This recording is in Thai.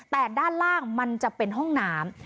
แต่ด้านล่างมันจะเป็นห้องน้ำ